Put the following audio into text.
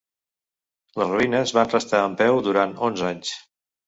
Les ruïnes van restar en peu durant onze anys.